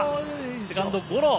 セカンドゴロ。